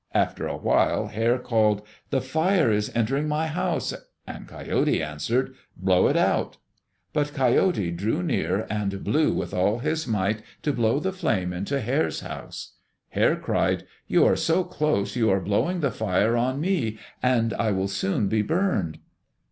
After a while Hare called, "The fire is entering my house," and Coyote answered, "'Blow it out!" But Coyote drew nearer and blew with all his might to blow the flame into Hare's house Hare cried, "You are so close you are blowing the fire on me and I will soon be burned."